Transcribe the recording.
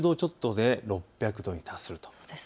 で、６００度に達すると。